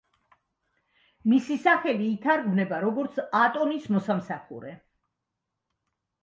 მისი სახელი ითარგმნება, როგორც „ატონის მოსამსახურე“.